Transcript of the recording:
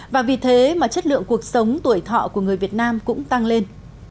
và vì thế mà chất lượng cuộc sống tuổi thọ của người việt nam cũng tăng lên